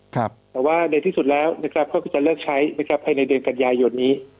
แต่ว่าในที่สุดแล้วก็จะเลิกใช้นะครับภายในเดือนกันยายนนี้